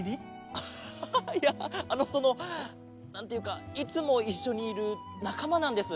ハハハいやあのそのなんていうかいつもいっしょにいるなかまなんです。